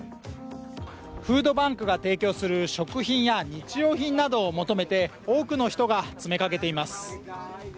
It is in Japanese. フードバンクが提供する食品や日用品などを求めて多くの人が詰めかけています。